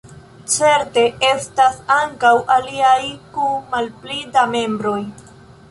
Certe estas ankaŭ aliaj, kun malpli da membroj.